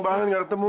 pak albert belum